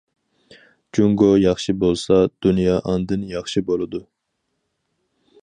جۇڭگو ياخشى بولسا، دۇنيا ئاندىن ياخشى بولىدۇ.